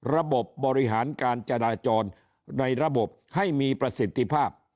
บบริหารการจราจรในระบบให้มีประสิทธิภาพ